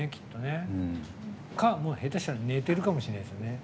下手したら寝てるかもしれないですね。